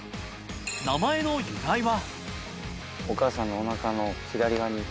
名前の由来は。